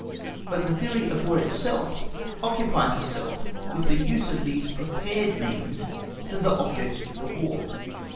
But the theory of War itself occupies itself with the use of these prepared means for the object of the war.